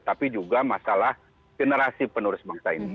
tapi juga masalah generasi penerus bangsa ini